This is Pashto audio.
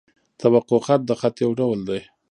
توقع خط؛ د خط یو ډول دﺉ.